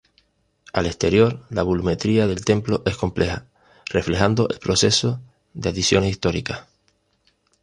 Al exterior la volumetría del templo es compleja, reflejando el proceso de adiciones históricas.